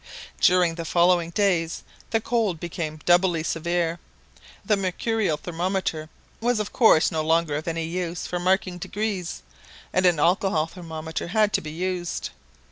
During the following days the cold became doubly severe. The mercurial thermometer was of course no longer of any use for marking degrees, and an alcohol thermometer had to be used.